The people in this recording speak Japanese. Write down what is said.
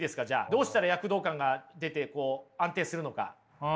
どうしたら躍動感が出て安定するのか？